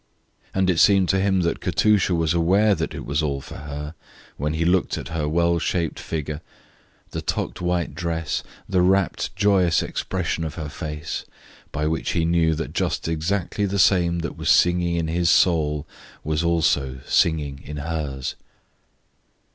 And it seemed to him that Katusha was aware that it was all for her when he looked at her well shaped figure, the tucked white dress, the wrapt, joyous expression of her face, by which he knew that just exactly the same that was singing in his own soul was also singing in hers.